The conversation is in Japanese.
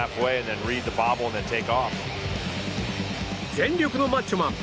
全力のマッチョマン！